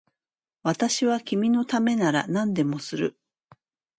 私は君のためなら何でもする